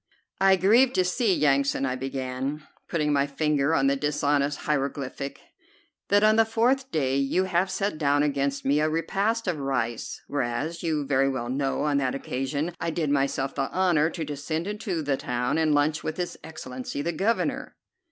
"I grieve to see, Yansan," I began, putting my finger on the dishonest hieroglyphic, "that on the fourth day you have set down against me a repast of rice, whereas you very well know on that occasion I did myself the honor to descend into the town and lunch with his Excellency the Governor."